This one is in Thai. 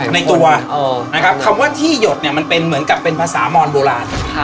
ในตัวนะครับคำว่าที่หยดเนี่ยมันเป็นเหมือนกับเป็นภาษามอนโบราณ